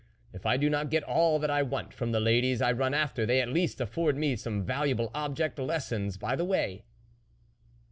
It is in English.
if I do not get all that I want from the ladies I run after, they, at least, afford me some valuable object lessons by the way